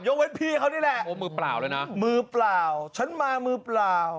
เว้นพี่เขานี่แหละโอ้มือเปล่าเลยนะมือเปล่าฉันมามือเปล่า